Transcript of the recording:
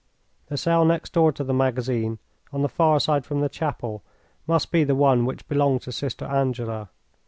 The cell next door to the magazine on the far side from the chapel must be the one which belonged to Sister Angela.